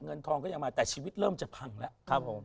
เงินทองก็ยังมาแต่ชีวิตเริ่มจะพังแล้วครับผม